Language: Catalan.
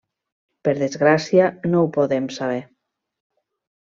Per desgràcia, no ho podem saber.